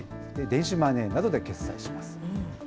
電子マネーなどで決済します。